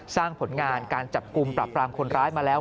ผลงานการจับกลุ่มปรับปรามคนร้ายมาแล้ว